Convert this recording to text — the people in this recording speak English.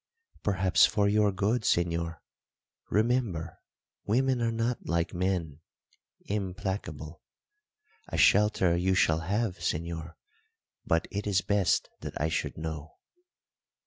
Perhaps for your good, señor. Remember, women are not like men implacable. A shelter you shall have, señor; but it is best that I should know."